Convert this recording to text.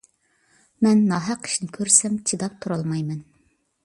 مەن ناھەق ئىشنى كۆرسەم چىداپ تۇرالمايمەن.